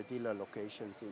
di mana pun lokasi pembeli kami